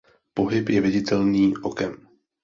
Pohyb je viditelný okem.